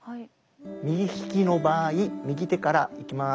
右利きの場合右手からいきます。